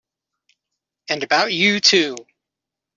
And about you too!